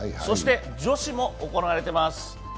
そして女子も行われてます。